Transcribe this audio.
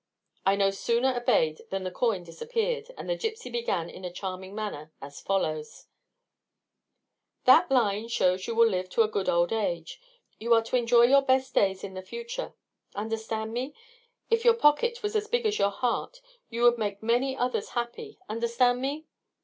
I no sooner obeyed than the coin disappeared, and the gypsy began in a charming manner, as follows: "That line shows you will live to a good old age. You are to enjoy your best days in the future. Understand me? If your pocket was as big as your heart you would make many others happy. Understand me?"